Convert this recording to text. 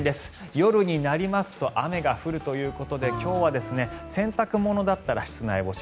夜になりますと雨が降るということで今日は洗濯物だったら室内干し。